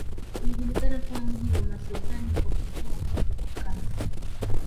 Ulijulikana kama mji wa masultani kwa kukua kwake kwa kasi